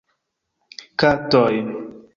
Katoj